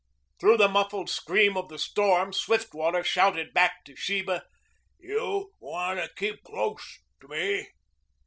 Through the muffled scream of the storm Swiftwater shouted back to Sheba. "You wanta keep close to me."